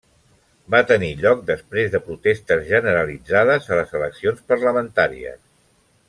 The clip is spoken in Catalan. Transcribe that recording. Va tenir lloc després de protestes generalitzades a les eleccions parlamentàries.